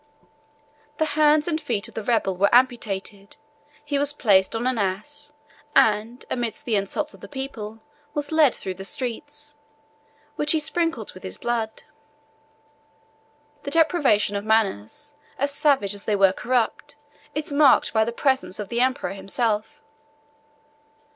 The hands and feet of the rebel were amputated; he was placed on an ass, and, amidst the insults of the people, was led through the streets, which he sprinkled with his blood. The depravation of manners, as savage as they were corrupt, is marked by the presence of the emperor himself.